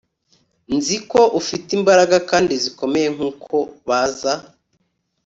nzi ko ufite imbaraga kandi zikomeye nkuko baza